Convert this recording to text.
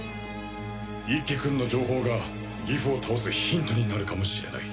一輝くんの情報がギフを倒すヒントになるかもしれない。